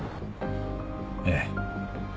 ええ。